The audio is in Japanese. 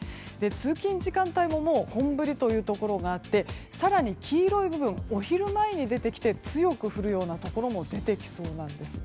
通勤時間帯も本降りというところがあって更に、黄色い部分お昼前に出てきて強く降るようなところも出てきそうなんです。